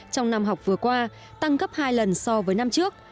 trong năm học vừa qua tăng gấp hai lần so với năm trước